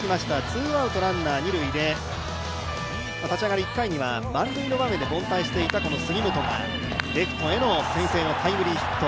ツーアウト、ランナー二塁で立ち上がり１回には満塁の場面で凡退していた杉本がレフトへの先制のタイムリーヒット。